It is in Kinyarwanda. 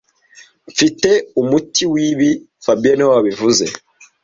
Mfite umuti wibi fabien niwe wabivuze